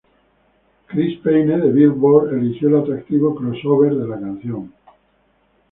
Chris Payne de Billboard elogió el atractivo crossover de la canción.